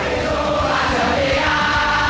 semoga sejati arema